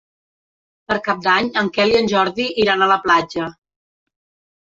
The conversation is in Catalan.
Per Cap d'Any en Quel i en Jordi iran a la platja.